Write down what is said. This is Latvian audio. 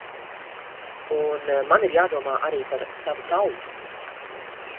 Un man ir jādomā arī par savu tautu.